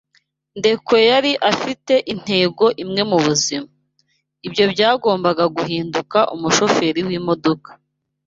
Ndekwe yari afite intego imwe mubuzima. Ibyo byagombaga guhinduka umushoferi wimodoka.